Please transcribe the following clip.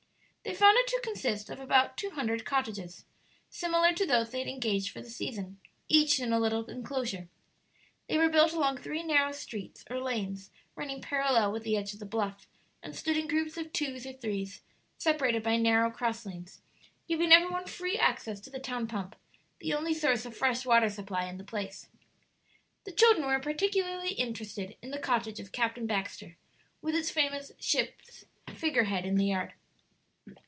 They found it to consist of about two hundred cottages, similar to those they had engaged for the season, each in a little enclosure. They were built along three narrow streets or lanes running parallel with the edge of the bluff, and stood in groups of twos or threes, separated by narrow cross lanes, giving every one free access to the town pump, the only source of fresh water supply in the place. The children were particularly interested in the cottage of Captain Baxter, with its famous ship's figure head in the yard.